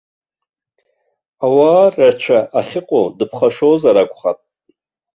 Ауаа рацәа ахьыҟоу дыԥхашьозар акәхап.